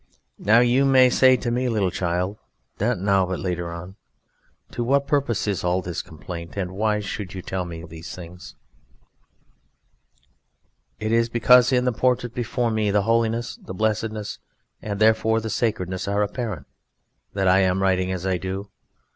Now you may say to me, little child (not now, but later on), to what purpose is all this complaint, and why should you tell me these things? It is because in the portrait before me the holiness, the blessedness, and therefore the sacredness are apparent that I am writing as I do.